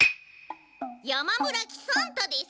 山村喜三太です！